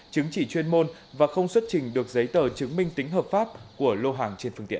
chứng chỉ chuyên môn và không xuất trình được giấy tờ chứng minh tính hợp pháp của lô hàng trên phương tiện